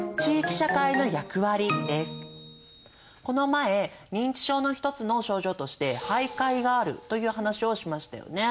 この前認知症の一つの症状として徘徊があるという話をしましたよね。